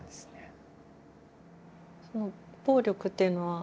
その暴力っていうのは。